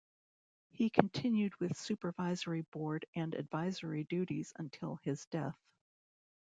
He continued with supervisory board and advisory duties until his death.